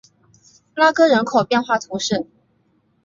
拉戈人口变化图示